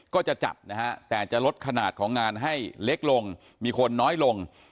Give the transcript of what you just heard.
ก็จะจัดนะฮะแต่จะลดขนาดของงานให้เล็กลงมีคนน้อยลง